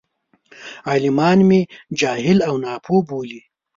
عالمان مې جاهل او ناپوه بولي.